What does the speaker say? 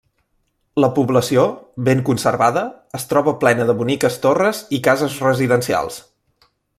La població, ben conservada, es troba plena de boniques torres i cases residencials.